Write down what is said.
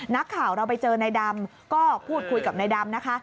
นักข่าวเราไปเจอนายดำก็พูดคุยกับนายดำนะคะ